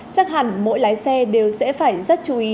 chắc hẳn mỗi lái xe đều sẽ phải rất chú ý